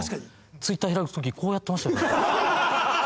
Ｔｗｉｔｔｅｒ開くときこうやってましたから。